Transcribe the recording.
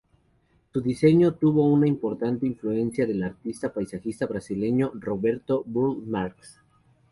Su diseño tuvo una importante influencia del artista y paisajista brasileño Roberto Burle Marx.